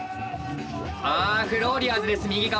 あフローリアーズです右側。